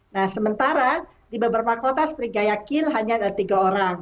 nah sementara di beberapa kota seperti gaya kil hanya ada tiga orang